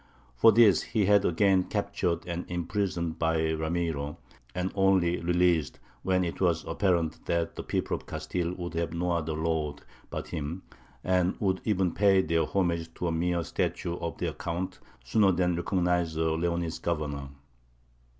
For this he was again captured and imprisoned by Ramiro, and only released when it was apparent that the people of Castile would have no other lord but him, and would even pay their homage to a mere statue of their Count sooner than recognize a Leonese governor.